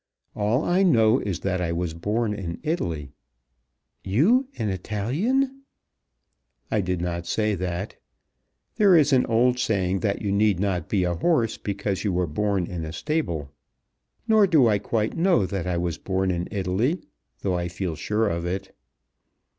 All I know is that I was born in Italy." "You an Italian?" "I did not say that. There is an old saying that you need not be a horse because you were born in a stable. Nor do I quite know that I was born in Italy, though I feel sure of it.